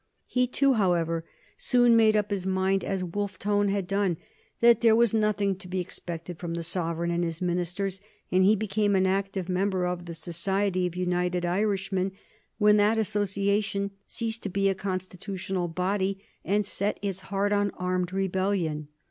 He too, however, soon made up his mind, as Wolfe Tone had done, that there was nothing to be expected from the Sovereign and his ministers, and he became an active member of the Society of United Irishmen when that association ceased to be a constitutional body and set its heart on armed rebellion.